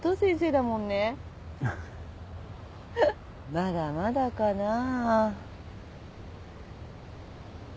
まだまだかなあ。